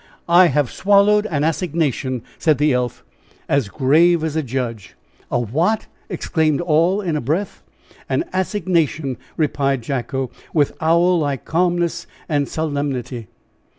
"I have swallowed an assignation," said the elf, as grave as a judge. "A what?" exclaimed all, in a breath, "An assignation," repeated Jacko, with owl like calmness and solemnity.